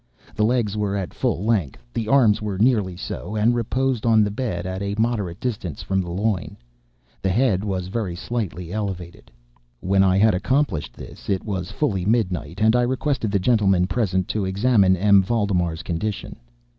The legs were at full length; the arms were nearly so, and reposed on the bed at a moderate distance from the loin. The head was very slightly elevated. When I had accomplished this, it was fully midnight, and I requested the gentlemen present to examine M. Valdemar's condition.